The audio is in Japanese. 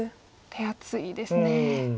手厚いですね。